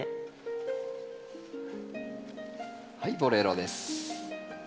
はいボレロです。